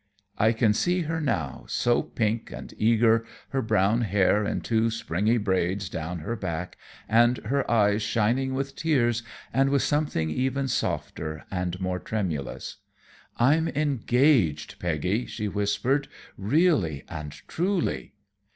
I can see her now, so pink and eager, her brown hair in two springy braids down her back, and her eyes shining with tears and with something even softer and more tremulous. "I'm engaged, Peggy," she whispered, "really and truly."